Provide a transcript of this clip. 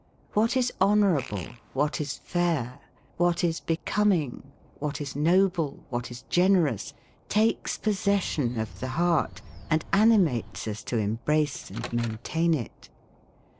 What is honourable, what is fair, what is becoming, what is noble, what is generous, takes possession of the heart, and animates us to embrace and maintain it.